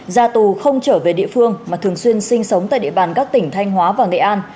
ra tù không trở về địa phương mà thường xuyên sinh sống tại địa bàn các tỉnh thanh hóa và nghệ an